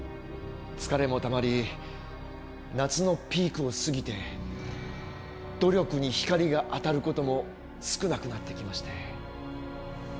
疲れもたまり夏のピークを過ぎて努力に光が当たることも少なくなってきまして。